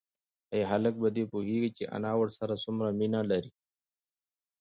ایا هلک په دې پوهېږي چې انا ورسره څومره مینه لري؟